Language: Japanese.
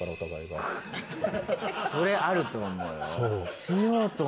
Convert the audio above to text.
それあると思うよ。